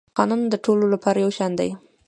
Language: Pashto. قانون د ټولو لپاره یو شان دی